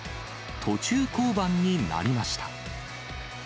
途中降板になりました。